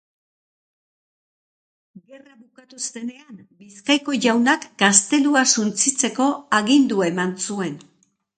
Gerra bukatu zenean, Bizkaiko jaunak gaztelua suntsitzeko agindua eman zuen.